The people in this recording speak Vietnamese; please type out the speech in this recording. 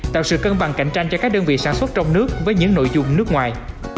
tạo sự cân bằng cạnh tranh cho các đơn vị sản xuất trong nước với những nội dung nước ngoài